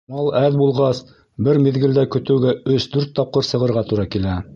Мал әҙ булғас, бер миҙгелдә көтөүгә өс-дүрт тапҡыр сығырға тура килә.